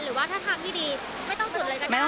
หรือว่าถ้าทำที่ดีไม่ต้องจุดเลยกันค่ะ